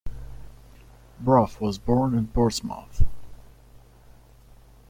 Bruff was born in Portsmouth.